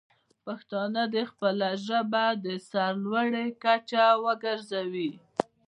پښتانه دې خپله ژبه د سر لوړۍ کچه وګرځوي.